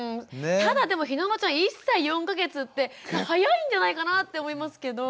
ただでもひなのちゃん１歳４か月って早いんじゃないかなって思いますけど。